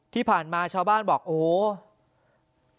ที่ผ่านมาชาวบ้านบอกโอ้โห